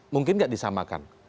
mungkin gak disamakan